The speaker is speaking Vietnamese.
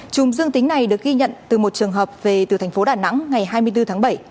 chùm dương tính này được ghi nhận từ một trường hợp về từ thành phố đà nẵng ngày hai mươi bốn tháng bảy